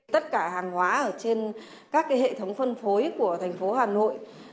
tất cả hàng hóa ở trên các hệ thống phân phối của thành phố hà nội